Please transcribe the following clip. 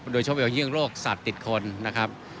โดยเฉพาะอย่างยิ่งโรคสัตว์ติดคนนะครับ